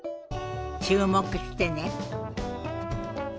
注目してね。